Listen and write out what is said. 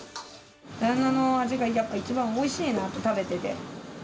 旦那の味がやっぱり一番おいしいなって、食べてて。